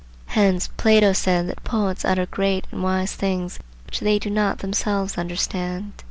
Hence Plato said that "poets utter great and wise things which they do not themselves understand."